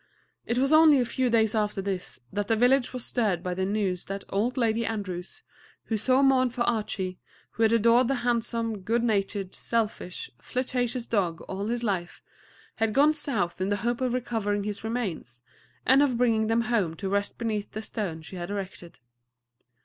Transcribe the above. It was only a few days after this that the village was stirred by the news that Old Lady Andrews, who so mourned for Archie, who had adored the handsome, good natured, selfish, flirtatious dog all his life, had gone South in the hope of recovering his remains, and of bringing them home to rest beneath the stone she had erected.